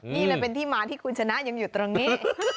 นี่เลยเป็นที่มาที่คุณชนะยังอยู่ตรงนี้